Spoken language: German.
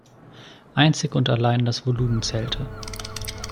Einzig und allein das Volumen zählte.